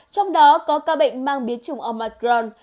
trong đó có ca bệnh mang biến chủng omicron